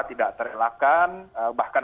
tidak terelakkan bahkan